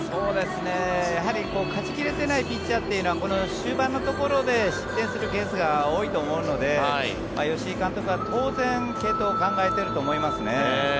やはり勝ち切れていないピッチャーというのはこの終盤のところで失点するケースが多いと思うので吉井監督は当然継投を考えてると思いますね。